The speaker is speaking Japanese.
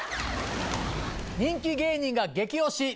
人気芸人が激推し。